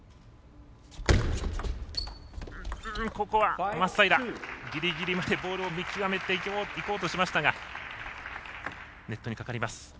ここは松平ギリギリまでボールを見極めていこうとしましたがネットにかかります。